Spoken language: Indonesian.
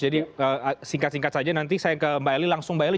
jadi singkat singkat saja nanti saya ke mbak eli langsung mbak eli